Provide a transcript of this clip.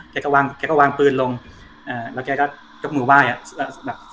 แกก็วางแกก็วางปืนลงอ่าแล้วแกก็ก็มือว่ายอ่ะแบบ